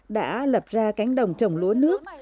đã lập ra cánh đồng trồng lúa nước